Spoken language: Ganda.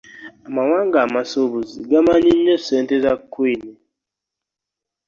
Amawanga amasuubuzi gamanyi nnyo ssente za queen.